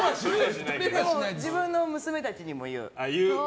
自分の娘たちにも言う。